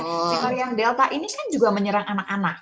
varian delta ini kan juga menyerang anak anak